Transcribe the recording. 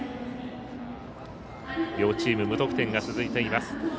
両チーム無得点が続いています。